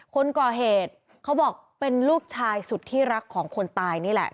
คนก่อเหตุเขาบอกเป็นลูกชายสุดที่รักของคนตายนี่แหละ